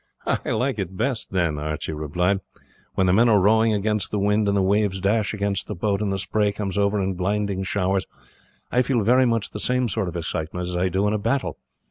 "I like it best then," Archie replied; "when the men are rowing against the wind, and the waves dash against the boat and the spray comes over in blinding showers, I feel very much the same sort of excitement as I do in a battle.